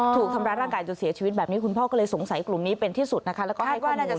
ถูกทำร้ายร่างกายจนเสียชีวิตแบบนี้คุณพ่อก็เลยสงสัยกลุ่มนี้เป็นที่สุดนะคะแล้วก็ให้ความ